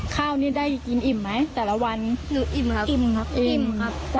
ข้าวมันได้กินอิ่มไหมแต่ละวัน